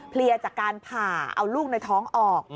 เลียจากการผ่าเอาลูกในท้องออก